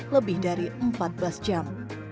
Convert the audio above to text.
lebih dari empat belas jam